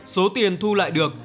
số tiền thu lại được